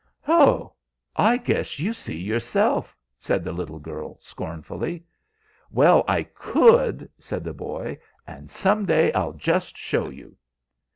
"Ho! I guess you see yourself!" said the little girl, scornfully. "Well, I could!" said the boy; "and some day I'll just show you."